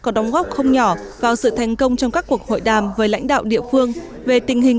có đóng góp không nhỏ vào sự thành công trong các cuộc hội đàm với lãnh đạo địa phương về tình hình